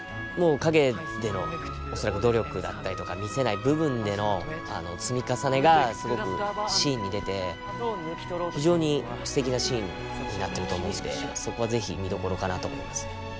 もう陰での努力だったりとか見せない部分での積み重ねがすごくシーンに出て非常にすてきなシーンになってると思うんでそこは是非見どころかなと思いますね。